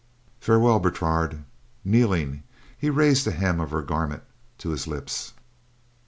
"Farewell, Bertrade." Kneeling he raised the hem of her garment to his lips.